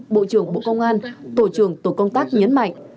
bộ trưởng bộ công an tổ trưởng tổ công tác nhấn mạnh